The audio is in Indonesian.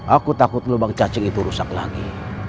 aku takut lubang cacing itu rusak lagi